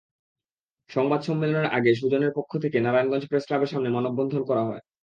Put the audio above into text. সংবাদ সম্মেলনের আগে সুজনের পক্ষ থেকে নারায়ণগঞ্জ প্রেসক্লাবের সামনে মানববন্ধন করা হয়।